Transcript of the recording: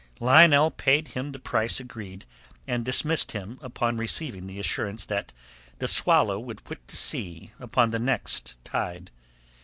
Lionel paid him the price agreed and dismissed him upon receiving the assurance that the Swallow would put to sea upon the next tide.